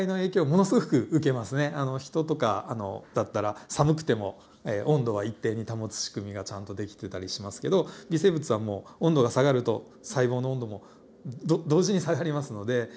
ヒトとかだったら寒くても温度を一定に保つ仕組みがちゃんとできてたりしますけど微生物はもう温度が下がると細胞の温度も同時に下がりますので。